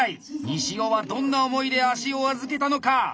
西尾はどんな思いで足を預けたのか！